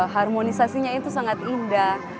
harmonisasinya itu sangat indah